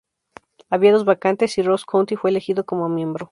Había dos vacantes y Ross County fue elegido como miembro.